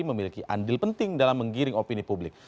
memiliki andil penting dalam menggiring opini publik